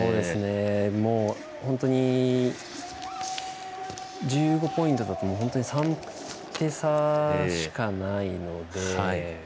本当に、１５ポイントだと３手差しかないので。